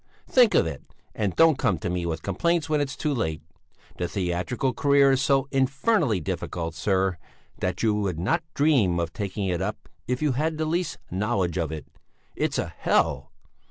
Think of it! And don't come to me with complaints when it is too late. The theatrical career is so infernally difficult, sir, that you would not dream of taking it up, if you had the least knowledge of it! It's a hell!